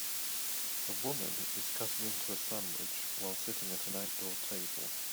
A woman is cutting into a sandwich while sitting at an outdoor table.